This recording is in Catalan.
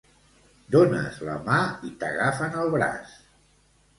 Dónes la mà i t'agafen el braç